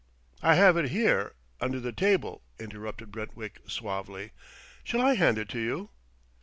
"I have it here, under the table," interrupted Brentwick suavely. "Shall I hand it to you?"